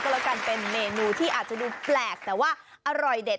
แล้วกันเป็นเมนูที่อาจจะดูแปลกแต่ว่าอร่อยเด็ด